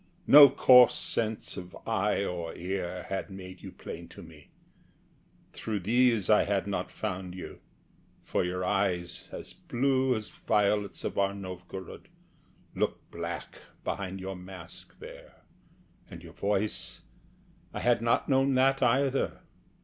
No coarse sense Of eye or ear had made you plain to me. Through these I had not found you; for your eyes, As blue as violets of our Novgorod, Look black behind your mask there, and your voice I had not known that either.